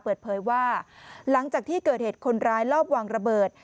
เปิดเผยว่าหลังจากที่เกิดเหตุคนร้ายรอบวางระเบิด